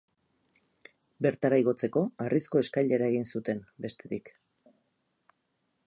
Bertara igotzeko harrizko eskailera egin zuten, bestetik.